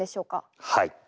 はい。